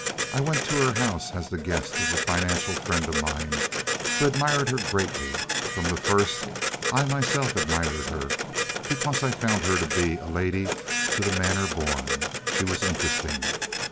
I went to her house as the guest of a financial friend of mine who admired her greatly. From the first I myself admired her, because I found her to be a lady to the manner born—she was interesting.